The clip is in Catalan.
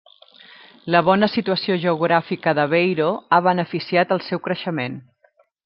La bona situació geogràfica d'Aveiro ha beneficiat el seu creixement.